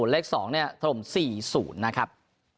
เลขสองเนี่ยถม๔๐นะครับ